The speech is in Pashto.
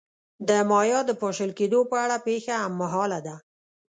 د مایا د پاشل کېدو په اړه پېښه هممهاله ده.